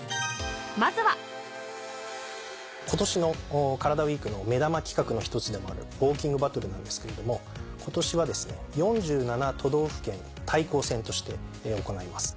まずは今年の「カラダＷＥＥＫ」の目玉企画の１つでもあるウオーキングバトルなんですけれども今年は４７都道府県対抗戦として行います。